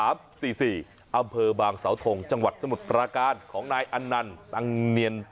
อำเภอบางสาวทงจังหวัดสมุทรปราการของนายอันนันต์ตังเนียน